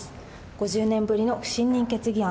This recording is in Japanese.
５０年ぶりの不信任決議案。